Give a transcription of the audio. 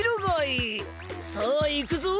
さあいくぞ！